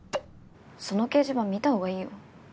その掲示板見た方がいいよ。